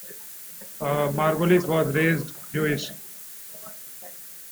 Margolis was raised Jewish.